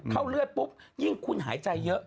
เลือดปุ๊บยิ่งคุณหายใจเยอะ